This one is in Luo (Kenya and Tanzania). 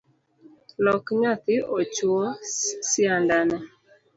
Lok nyathi ochuo siandane